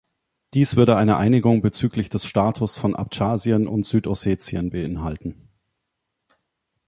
Dies würde eine Einigung bezüglich des Status von Abchasien und Südossetien beinhalten.